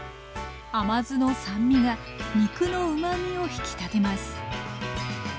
甘酢の酸味が肉のうまみを引き立てます